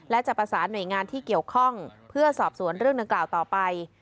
และจะประสานหน่วยงานที่เกี่ยวข้องเพื่อสอบสวนเรื่องดังกล่าวต่อไป